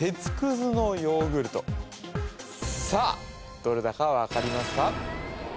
どれだか分かりますか？